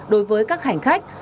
đối với các hành khách